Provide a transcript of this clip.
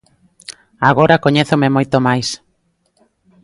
Agora coñézome moito máis.